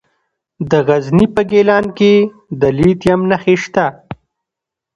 د غزني په ګیلان کې د لیتیم نښې شته.